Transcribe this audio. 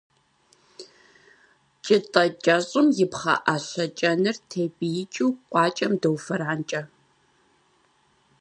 Кӏытӏэ кӏэщӏым и пхъэӏэщэ кӏэныр тепӏиикӏыу къуакӏэм доуфэранкӏэ.